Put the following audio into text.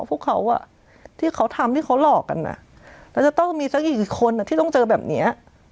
พวกเขาที่เขาทำที่เขาหลอกกันแล้วจะต้องมีสักกี่คนที่ต้องเจอแบบนี้